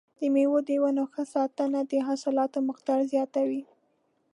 د مېوو د ونو ښه ساتنه د حاصلاتو مقدار زیاتوي.